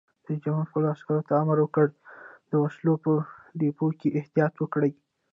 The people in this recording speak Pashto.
رئیس جمهور خپلو عسکرو ته امر وکړ؛ د وسلو په ډیپو کې احتیاط وکړئ!